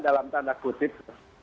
dalam tanda kutip